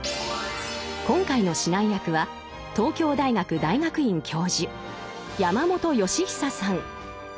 今回の指南役は東京大学大学院教授山本芳久さん。